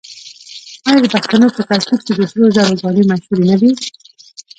آیا د پښتنو په کلتور کې د سرو زرو ګاڼې مشهورې نه دي؟